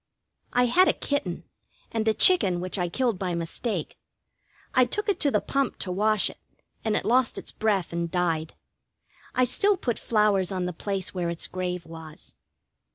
I had a kitten, and a chicken which I killed by mistake. I took it to the pump to wash it, and it lost its breath and died. I still put flowers on the place where its grave was.